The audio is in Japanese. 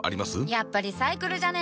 やっぱリサイクルじゃね？